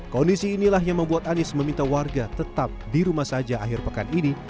kondisi inilah yang membuat anies meminta warga tetap di rumah saja akhir pekan ini